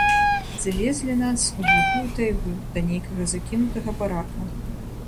Завезлі нас у глухую тайгу да нейкага закінутага барака.